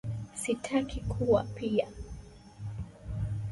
I don't want to be either.